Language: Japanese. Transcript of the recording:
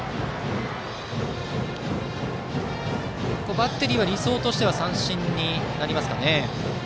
バッテリーの理想としては三振になりますかね？